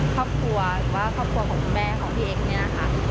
ครอบครัวหรือว่าครอบครัวของคุณแม่ของพี่เอ็กซเนี่ยนะคะ